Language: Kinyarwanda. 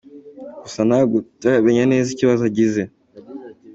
Gusa ntabwo turamenya neza ikibazo agize.